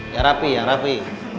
yang rapi yang rapi